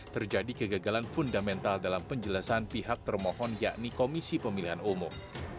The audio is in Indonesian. terjadi kegagalan fundamental dalam penjelasan pihak termohon yakni komisi pemilihan umum